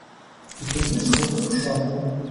І тоді схопив шапку.